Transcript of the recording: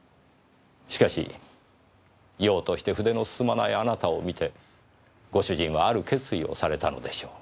しかしようとして筆の進まないあなたを見てご主人はある決意をされたのでしょう。